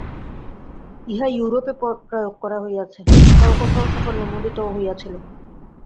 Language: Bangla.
ইহা ইউরোপে প্রয়োগ করা হইয়াছে, কোথাও কোথাও সাফল্যমণ্ডিতও হইয়াছিল।